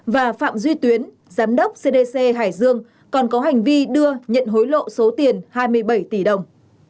và phạm duy tuyến giám đốc cdc hải dương còn có hành vi đưa nhận hối lộ số tiền hai mươi bảy tỷ đồng